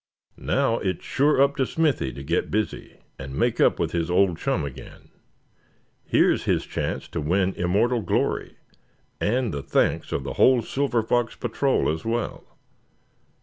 Now, it's sure up to Smithy to get busy, and make up with his old chum again. Here's his chance to win immortal glory, and the thanks of the whole Silver Fox Patrol as well.